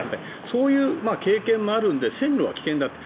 そういう経験もあるので線路は危険だと。